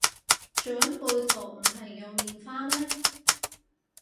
長輩圖唔係用蓮花咩